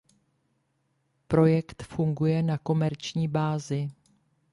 Projekt funguje na komerční bázi.